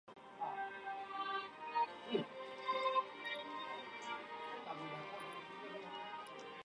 酿酒厂最著名的产品是一种黑色的司陶特啤酒。